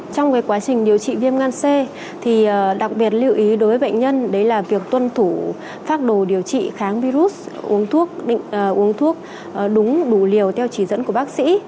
trong quá trình điều trị viêm gan c thì đặc biệt lưu ý đối với bệnh nhân là việc tuân thủ phát đồ điều trị kháng virus uống thuốc đúng đủ liều theo chỉ dẫn của bác sĩ